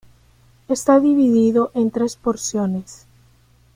Está dividido en tres porciones.